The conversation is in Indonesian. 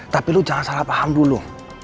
tapi lu jangan salah paham dulu